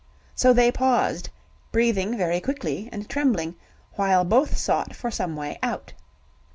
So they paused, breathing very quickly and trembling, while both sought for some way out.